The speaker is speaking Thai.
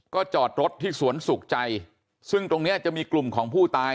ก็จอดรถที่สวนสุขใจซึ่งตรงเนี้ยจะมีกลุ่มของผู้ตาย